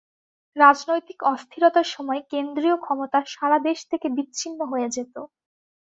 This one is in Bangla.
রাজনৈতিক অস্থিরতার সময় কেন্দ্রীয় ক্ষমতা সারা দেশ থেকে বিচ্ছিন্ন হয়ে যেত।